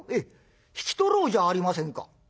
引き取ろうじゃありませんか」。